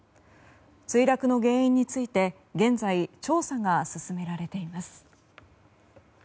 墜落の原因について現在、調査が進められています。